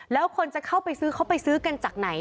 แล้วคนจะเข้าไปซื้อเขาไปซื้อกันจากไหน